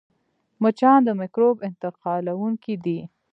مچان د مکروب انتقالوونکي دي